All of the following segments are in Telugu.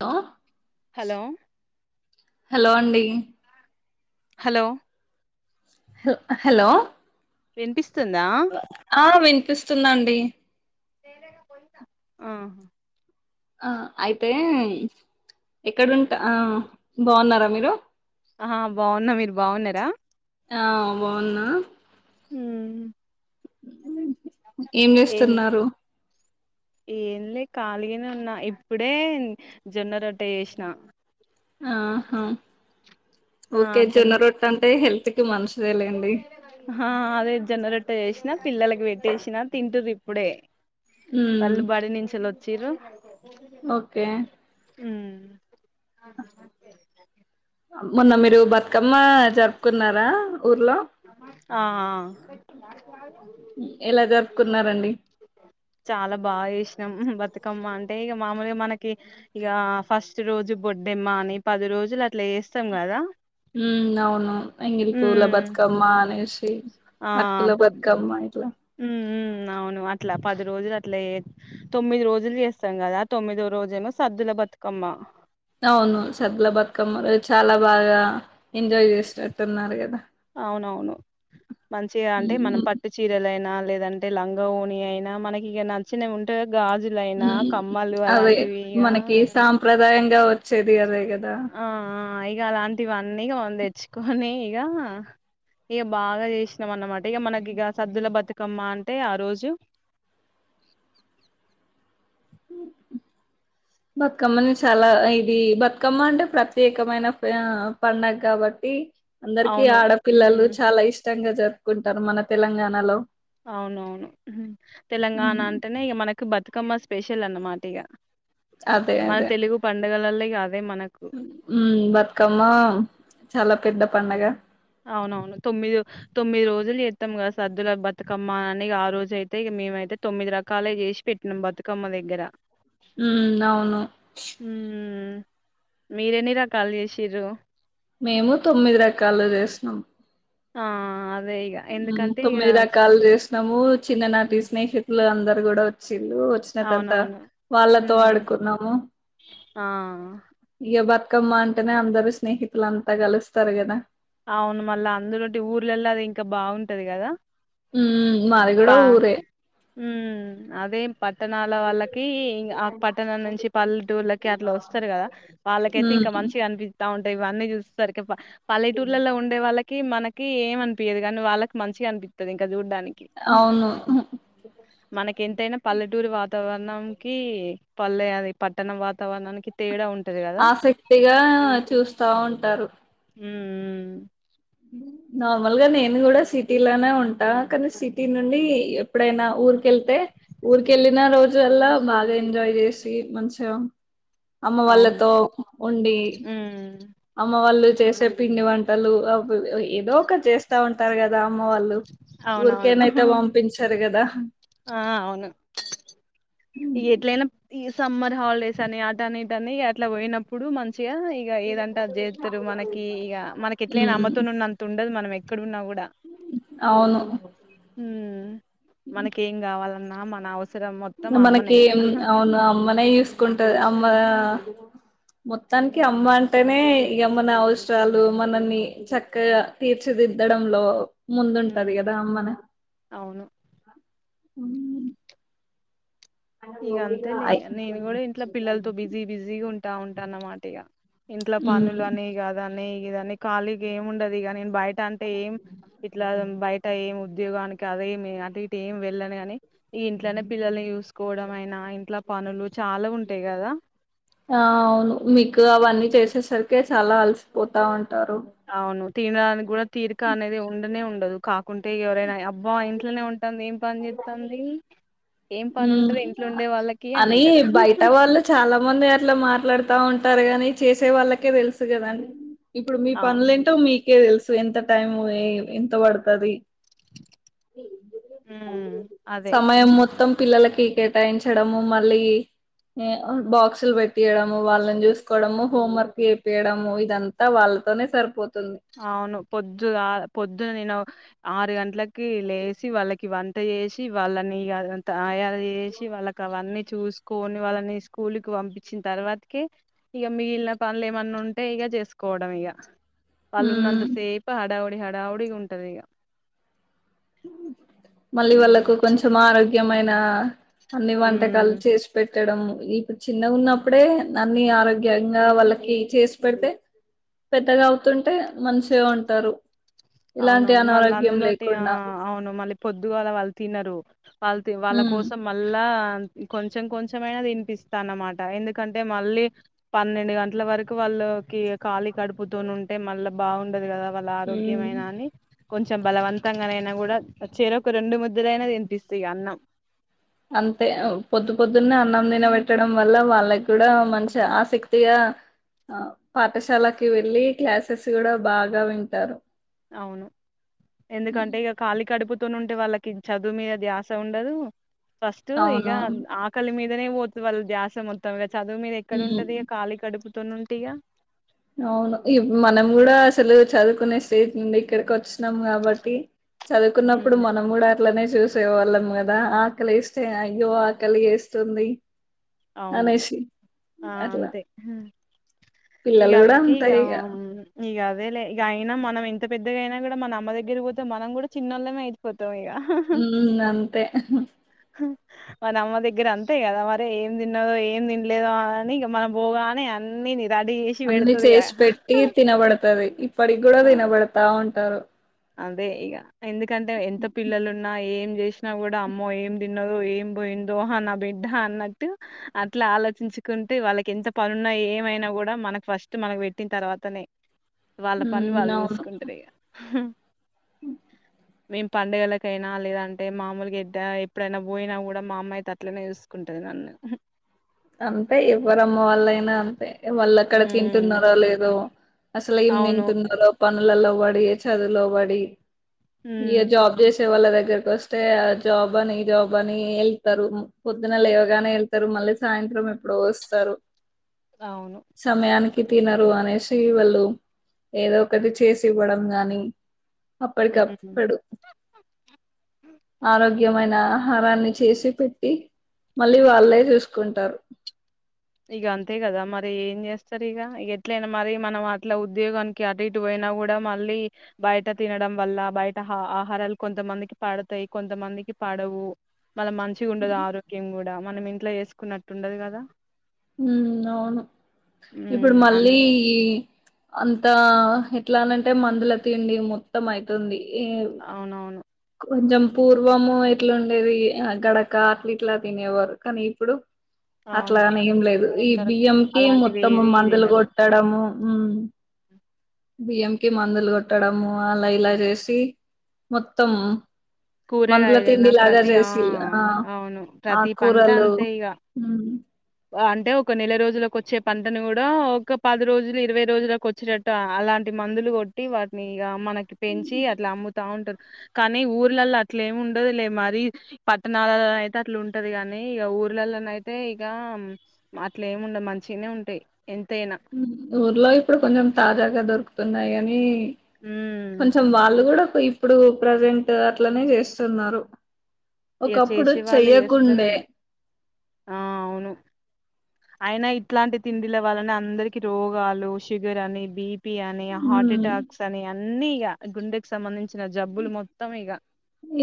లో హలో హలో అండి ఉ హలో హ హలో వినిపిస్ తుందా పిస్తుందండి ఆ ఆ అయితే ఎక్కడుంట బాగున్నారా మీరు ఆ బాగున్న మీరు బాగున్నారా ఆ బాగున్నా హమ్ ఏం చేస్తున్నారు ఏం లే ఖాళీగనే ఉన్నా ఇప్పుడే జొన్న రొట్ట చేసినా ఆహా ఓకే జొన్న రొట్ట అంటె హేల్ త్ కి మన్ష్ హా అదే జొన్న రొట్ ట చేేసినా పిల్లలకు పెట్టేసిన తింటున్రు ఇప్పుడే ఉమ్ వాళ్ళు బడినించోల్ వచ్ చిరు ఓకే ఉమ్ మొన్న మీరు బతుకమ్మ జరుపుకున్నారా ఊర్లో ఆ ఎలా జరుపుకున్నారండి చాలా బాగా చేసినాం బతుకమ్మ అన్ టే ఇగ మామూలుగా మనకి ఇగా ఫస్ట్ రోజు బొర్డమ్మాని పది రోజులు అట్లా చేస్తాం కదా మ్ అవును ఎంగిలి పూల ఉమ్ బతుకమ్మ అస్ ఆ అటుకుల పొద్ బతుకమ్మ ఇట్లా ఉమ్ ఉమ్ అవును అట్లా పది రోజులు అట్లా, తొమ్మిది రోజులు చేస్తాం కదా, తొమ్మిదో రోజుేమో సద్దుల బతుకమ్మ అవును సద్ల బతుకమ్మ చాలా బాగా ఎంజాయ్ చేసినట్టున్నారు కదా అవునవును మంచిగా అంటే ఉమ్ మనం పట్టు చీరలు అయినా లేదంటే లంగా ఓని అయినా మనకి ఇక నచ్చిన ఉంటే మ్ అదే ఇగ మనకి సాంప్రదాయంగా వచ్చేది అదే కదా ఆ ఆ ఇగ అలాంటివన్నీ ఒన్ దెచ్చుకొని ఇగ ఇగ బాగా చేసినాం అన్నమాట ఇగ మనకి ఇగ సద్దుల బతుకమ్మ అంటే ఆ రోజు బతుకమ్మని చాలా ఇది బతుకమ్మ అంటే ప్రత్యేకమైన ప పండగ్గాబట్టి. అందరికి అవును ఆడపిల్లలు ఉమ్ చాలా ఇష్ ఇష్టంగా జరుపుకుంటారు మన తెలంగాణలో అవునవును తెలంగాణ హ్మ్. అంటేనే ఇక మనకు బతుకమ్మ స్పెషల్ అన్నమాట ఇగా మన తెలుగు పండుగలలో ఇగ అదే మనకు హ్మ్ బతుకమ్మ చాలా పెద్ద పండగా అవునవును తొమ్మిది తొమ్మిది రోజులు త్తం గదా సద్దుల బతుకమ్మ అని ఆ రోజయితే మేమైతే తొమ్మిది రకాలే జేసి పెట్టినాం బతుకమ్మ దగ్గర హ్మ్ దవును మీరేన్ని రకాలు జేసిర్రు మేము తొమ్మిది రకాలు జేస్నామ్ ఆ అదే ఇగ ఎందుకంటే ఇగ తొమ్మిది రకాలు జేసినాము చిన్ననాటి మ్మ్ స్నేహితులు అందరు గూడా వచ్ తిల్లు వచ్చిన తంత అవునవును వాళ్ళతో మ్మ్ ఆడుకున్నాము ఆ ఇ కమ్మ అంటేనే అందరూ స్నేహితులు అంతా కలుస్తారు గదా అవును మళ్ళా అందులుండి ఊర్లలల్లో అది ఇంకా బాగుంటది గదా హ్మ్ మాది గూడా ఊరే మ్ అదే పట్టణాల వాళ్ళకి పట్టణం అ నుంచి పల్లెటూళ్లకి అట్లా వస్తారు కదా, వాళ్ళకైతే ఉమ్ ఇంకా మంచిగా అనిపిస్తా ఉ ఇవన్నీ చూసేసరికి టుర్లలో ఉండే వాళ్ళకి కి మనకి ఏం అనిపయదు కానీ వాళ్ళకి మంచిగా అనిపిస్తది ఇంకా జుడ్డానికి, అవును మనకెంతయైనా పల్లెటూరు వాతావర ణం కి పల్లె అది పట్టణం వాతావరణానికి తేడా ఉం ఆసక్తిగా చూస్తా ఉంటారు. హు హు నార్మల్గా నేను కూడా సిటీలోనే ఉంటా కానీ సిటీ నుండి ఎప్పుడైనా ఊరికెళ్తే, ఊరికెళ్ళిన రోజు ఎల్ల బాగా ఎంజాయ్ చేసి మంచం అమ్మ అవును వాళ్లతో ఉండి. ఉమ్ అమ్మ వాళ్ళు చేసే పిండి వంటలు అవ్ ప్ ఏదో ఒకట్ చేస్తా ఉంటారు కదా. అమ్మ వాళ్ళు, అవునవును ఊరికేనైతే వంపించ్చరు కదా. ఆ అవును ఉమ్ ఎట్లయినం ఇ సమ్మర్ హాల్ డేస్ అని అటని ఇటని ఇగ అట్ల పోయినప్పుడు మం చిగ ఇగ ఏదంటే అద్ జెత్తరు మనకి ఇగ మనకెట్లయైనా అమ్మతొనున్నంత్ ఉం డదు మనం ఎక్కడున్నా కు డ, అవును హు మనకి ఏం కావాలన్ న మన అవసరం మొ ఇంగ మనకి ఇం ఔన్ అమ్మనే ఇసుకుంటది అమ్మ ఆ మొత్తానికి అమ్మ అంటేనే ఇగ మన అవస్రాలు మనల్ని చక్కగా తీర్చిదిద్దడంలో ముందుంటది కదా అమ్మన అవును అవు ఇగ అంతేలే అయ్ యన్ని నేను కూడా ఇంట్లో పిల్లల్తో బిజీ బిజీగా ఉం టా ఉంటా అన్నమాట ఇగ ఇంట్ల పనులు ఉమ్ అన్ని కాదా అన్ నెయ్ ఇదన్నీ ఖాళిగ ఏం ఉండదు ఇగ నే బై ట అంతే ఏం, ఇట్ల బయట ఏం ఉద్యోగానిక్ కదేమి అటు ఇటు ఏం వెళ్ళను గాని ఇంట్లోనే పిల్లల్ని యుస్ కోవడమైనా ఇంట్ల పనులు చాలా ఉంటయ్ కదా ఆ అవును మీక్ అవన్నీ చేసేసరికి చాలా అలసిపోతా ఉం ంటారు. అవును తినడానికి కూడా తీరిక అనేది ఉండనే ఉండదు కా కుంటే ఇగ ఎవరైన అబ్బా ఇంట్ ట్లనే ఉంటాంది ఏం పని చేత్ తాంది అని బయట వాళ్ళు చాలా మంది అట్లా మాట్ల ట్లాడుతా ఉంటారు గానీ చేసే వాళ్ళకే తెలుసు కదండి ఇప్పుడు మీ అవును పనులు ఏంటో మీ కే తెలుసు ఎంత టైం ఎంత పడుతది ఉమ్ అదే సమయం మొత్తం పిల్లలకి కేటాయించడము మళ్ళీ, బాక్సులు పెట్టియ్యడము వాళ్ళని చూసుకోవడము, హోం వర్క్ చేపియ్యడము ఇదంతా వాళ్ళతోనే సరిపో అవును పొద్దుగాల పొద్దున నేను ఆరు గంటలకి లేచి వాళ్ళకి వంట చేసి వాళ్ళని ఇగ అదంత ఇగ చేసి వాళ్ళకి అవన్ని చూసుకొని వాళ్ళని స్కూల్కి పంపిచ్చిన తర్వాతకి ఇగ మిగిలిన పనులు ఏమన్నా ఉంటే ఇగ చేసుకోవడమే ఇగ ఉమ్ వాళ్ళున్నంతసేపు హడావుడి హడ డావుడిగా ఉంటది ఇగ మళ్ళీ ఉమ్ వాళ్ళకు కొంచెం ఆరోగ్ ఏమైనా అన్ని ఉమ్. వంటకాలు చేసి పెట్ పెట్టడం ఇప్పుడు చిన్నగా ఉన్నప్పుడే అన్ని ఆరోగ్యంగా వాళ్ళకి చేసి పెడితే, పెద్దగా అవుతుంటే మంచిగుంటరు. ఇలాంటి అవునవును మళ్ళీ అనారోగ్యం అందులోటి ఆ లేకుండా అవును మళ్ళీ పొద్దుగాలా వాళ్ళు తినరు వాళ్ళ తి వాళ్ళ ఉమ్ కోసం మళ్ళా కొంచెం కొంచమైనా తినిపిస్తా అన్నమాట ఎందుకంటే మళ్ళీ పన్నెండు గంటల వరకు వాళ్ళకి కాళీ కడుపుతూ ఉంటే మళ్ళా బాగుండదు కదా వాళ్ళ ఆరో ఏమైనా అని కొంచెం బలవంతంగానైనా కూడా చేరోక రెండు ముద్దలైనా తినిపిస్తా ఇగ అన్నం అంతే పొద్దు పొద్దున్న అన్నం తినబెట్టడం వల్ల వాళ్ళక్ కూడా మంచి ఉమ్, ఆసక్తిగా ఆ పాఠశాలకి వెళ్ళి క్లాసెస్ కూడా బాగా వింటారు అవును ఎందుకంటే ఇక కాలీ కడుపు తోని ఉంటే వాళ్ళకి చదువు మీద అది ఆశ ఉండదు, ఫస్ట్ ఇగ అవునవును ఆకలి మీద ద పోతు వాల్ల ధ్యాస మొత్తం చదువు మీద ఎక్కడ ఉంటది ఉమ్ కాళి కడుపు తొన్నంటిగా అవును మనం కూడా అసలు చదువుకునే స్టేజ్ నుండి ఇక్కడికి వచ్చినము కాబట్టి చదువుకున్నప్పుడు మనం కూడా అట్లనే చూసే వాళ్ళం కదా ఆకలి ఎస్తే అయ్యో ఆకలి వేస్తుంది అవును అనేసి ఆ అట్లా అంతే ఇగ పిల్లలు కూడా అందుకె అంతే ఈగా ఇగ ఇ అదేలే ఇక అయినా మనం ఎంత పెద్దగా అయినా కూడా మన అమ్మ దగ్గరికి పోతే మనం కూడా చిన్నళ్ళమే అయిపో ఉ అంతే వా నమ్ దగ్గర అంతే కదా మరి ఏం తిన్నదో ఏం తినలేదో అని ఇక మన పోగానే అన్ని రెడీ చేసి అన్ని చేసి పెట్టి తినబడుతది ఇప్పటికి కూడా ఆ తినబడతా ఉంటారు అదే ఇక ఎందుకంటే ఎంత పిల్లలున్నా ఏం చేసినా కూడా అమ్మో ఏం తినదో, ఏం పోయిందో నా బిడ్డ అన్నట్టు, అట్లా ఆలోచించుకుంటే వాళ్ళకి ఎంత పనున్నా ఏమైనా కూడా మనకు ఫస్ట్ మనకు పెట్టిన తర్వాతనే పని ఉమ్ వాళ్ళు అవును చూసుకుంటారు ఇగ మేం పండుగలకైనా లేదంటే మామూలుగా ఎద్ద ఎప్పుడైనా పోయినా కూడా, మా అమ్మా అయితే అట్లే చూసుకుంటది నన్ను అంతే ఎవ్వరమ్మ వాళ్ నా అంతే వాళ్ళు అక్కడ ఉమ్ తింటున్నారో లేదో అసలు ఏం అవును తింటున్నార పనులలో బడి ఏ చదులోబడి ఇ ఉమ్ జాబ్ జెసే వాళ్ల దగ్గర ఎక వస్తే ఆ జాబ్ అని ఇ జాబ్ అని ఎళ్తారు, పొద్దున లే ఎవగానే వెళ్తారు మళ్ళీ సాయంత్రం ఎప్పుడు వస్తారు అవును కి తినరు అనేసి వాళ్ళు ఏదో ఒకటి చేసి ఇవ్వడం గాని ఉమ్ అప్పటికిప్పుడు ఆరోగ్ ఎమైన ఆహారాన్ని చేసి పెట్టి మళ్ళీ వాళ్ళే చూస్ కుంటారు ఇగ అంతే కదా మరి ఏం చేస్తారు ఇగ ఎట్లయినా మరి మనం అట్లా ఉద్యోగానికి అటు ఇటు పోయినా కూడా మళ్ళీ బయట తినడం వల్ల బయట హ ఆహారాలు కొంతమందికి పడతాయి కొంతమందికి పడవు. మళ్ళ మంచిగా ఉండదు ఆరోగ్యం గూ డ మనం ఇంట్లో చేసుకున్నట్టుండదు కదా మ్మ్ అవును ఇప్పుడు ఉమ్ అన్- మళ్ళీ అంతా హా ఎట్లా అనంటే మందుల తిండి మొత్తం అయితుంది అవునవును కొంచెం పూర్వము ఎట్లా ఉండేది గడక అట్లా ఇట్లా తినేవారు కానీ ఇప్పుడు అవును అట్లానే ఏం ఇప్పుడు లేదు ఈ తింటారు బియ్యం కి అలాంటివి మొత్తము ఏవి మందులు తినరు కొట్టడము మ్మ్ బియ్యం కి మందులు కొట్టడము అలా ఇలా చేసి మొత్ తమ్ కూరగాయలునా ప్రతి ఆ ఆ అవును ప్రతి పంట ఆకూరలు అంతే ఇగ ఉమ్ అంటే ఒక నెల రోజులకి వచ్చే పంటను కూడా ఒక పది రోజులు ఇరవై రోజులకు వచ్చేటట్టు అలాంటి మందులు కొట్టి వాటిని ఇగ మనకి పెంచి అట్లా అమ్ముతా ఉంటారు కానీ ఊరు ఊర్లలో అట్లేమి ఉండదు లే మరి పట్టణాలలో అయితే అట్లా ఉంటది కాగాని ఇక ఊర్లలోన అయితే ఇక అట్లేమి ఉండదు మంచిగనే ఉంటాయి ఎంతైనా మ్మ్ ఊర్లో ఇప్పుడు కొంచెం తాజాగా దొరుకు తున్నాయి అని ఉమ్ కొంచెం వాళ్ళు కూడా ఇప్పుడు ప్రజెంట్ అట్లనే చేస్తున్నారు ఇక ఒకప్పుడు చేసే వాళ్ళు చేస్తనే చెయ్యకుండే ఆ అవును అయినా ఇట్లాంటి తిండిల వాళ్లనే అందరికి రోగాలు షుగర్ అని బీపి అని ని హార్ట్ ఉమ్ అటాక్స్ అని అన్నీ ఇక గుండెకి సంబంధించిన జబ్బులు మొత్తం ఇగ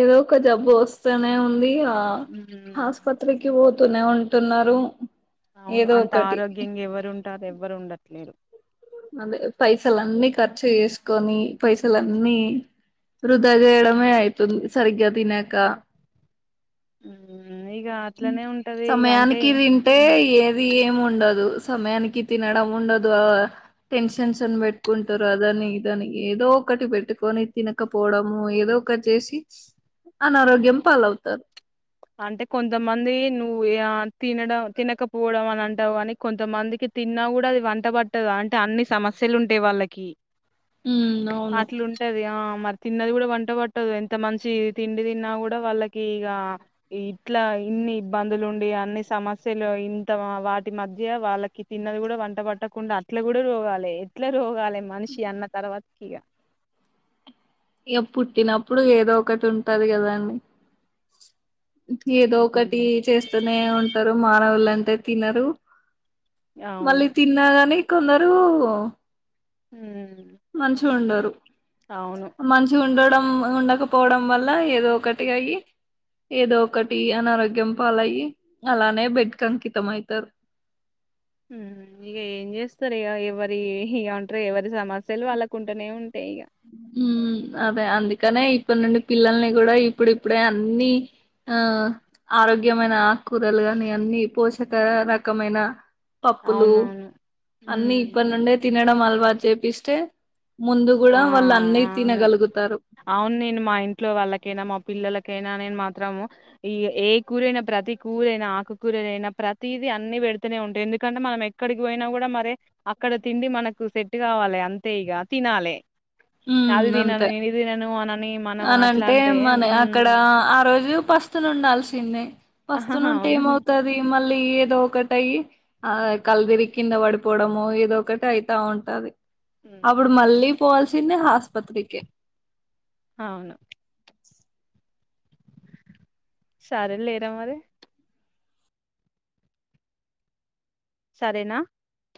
ఏదో ఒక జబ్బు వస్తనే ఉంది మ్మ్ ఆస్పత్రకి పోత తూనే ఉంటున్నారు అవును ఏదో అంత ఒకటి ఆరోగ్యంగా ఎవరున్ టారు ఎవ్వరు ఉండట్లేరు అదే పైసలన్నీ ఖర్చు చేసుకొని పైసలన్నీ వృధా చేయడమే అయితుంది సరిగ్గా తినక మ్మ్ మ్మ్ ఇగ అట్లనే ఉంటది ఇగ అంటే సమయానికి తింటే ఏది ఏమి ఉండదు సమయానికి తినడం ఉండదు ఆ టెన్షన్షన్ పెట్టుకుంటారు అదని ఇదని ఏదో ఒకటి పెట్టుకొని తినకపోవడము ఏదో ఒకటి చేసి అనారోగ్యం పాలవుతారు అంటే కొంతమంది నువ్వు ఆ తినడం తినకపోవడం అని అంటావు కానీ కొంతమందికి తిన్నా కూడా అది వంట పట్టదు అంటే అన్ని సమస్యలు ఉంటాయి వాళ్ళకి ఉమ్ అవును అట్లుంటది ఆ మద్ తిన్నది కూడా వంట పట్టదు ఎంత మంచి తిండి తిన్నా కూడా వాళ్ళకి ఇగ ఇట్లా ఇన్ని ఇబ్బందులు ఉండి అన్ని సమస్యలు ఇంత వాటి మధ్య వాళ్ళకి తిన్నది కూడా వంట పట్టకుండా అట్ల కూడా రోగాలే ఎట్లా రోగాలె మనిషి అన్న తర్వాత ఇగ ఇగ పుట్టినప్పుడు ఏదో ఒకటి ఉంటది కదాండి ఏదో ఒకటి చేస్తూనే ఉంటారు మానవులంత్ దె తినరు అవును మళ్ళీ తిన్నా గాని ఇకున్నారు ఉమ్ మంచిషగా ఉండు అవును ఉ మాంచిగ్ ఉండోడం ఉండకపోవడం వల్ల ఏదో ఒకటి అయ్యి ఏదో ఒకటి అనారోగ్యం పాలయిి అలానే బెడ్ అంకితం అయితారు ఉమ్ ఇగా ఏ చేస్తారు ఇగా ఎవరి ఇ ఉంట్ర ఎవరి సమా సలు వాళ్కుంటేనే ఉంటాయిక ఉమ్ అదే అందుకనే ఇప్పుడు నుండి పిల్లల్ని కూడా ఇప్పుడు ఇప్పుడే అన్ని ఆ ఆరోగ్యమైన కూరలు కాని అన్ని పోసి రక రకమైన పప్పులు అవునవును అన్ని ఉమ్ ఇప్పటి నుండే తినడం అలవాటు చేపిస్తే ముందు కూడా వాళ్ళు అన్నీ అవునా అవును నేను మా ఇంట్లో వాళ్ళకైనా మా పిల్లల ఎకైనా నేను మాత్రము ఈ ఏ కూరయినా ప్రతి కూరైనా ఆకు కూూరయినా ప్రతిది అన్ని పెడుతనే ఉంటాయి ఎందుకంటే మనం ఎక్కడికి పోయినా కూడా మరి అక్కడ తిండి మనకు సెట్ కావాలి అంతే ఇక తినాలే అది ఉమ్ తినను అంతే ఇది తినను అనని మనం అట్లా అనంటే అంటే మన అక్కడ మ్మ్ ఆ రోజు పస్తున ఉండాాలిసి చిన్న ఆహా, వస్తును ఉంటే అవును ఏమవుతది మళ్ళీ లి ఏదో కటాయి ఆ మ్మ్ కల్దిరికిింద వాడిపోవడం మో ఎధో ఒకటి అయిత ఉంటది అప్పుడు మ్మ్, మళ్ళీ పోవల్సి ఆస్పత్రికి అవును సరే లేరా మరి సరేనా